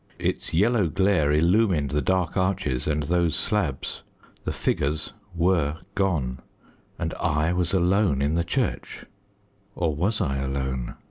Its yellow glare illumined the dark arches and those slabs. The figures were gone. And I was alone in the church; or was I alone?